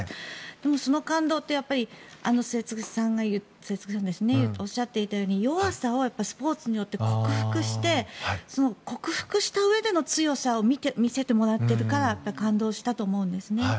でも、その感動って末續さんがおっしゃっていたように弱さをスポーツによって克服して克服したうえでの強さを見せてもらってるから感動したと思うんですね。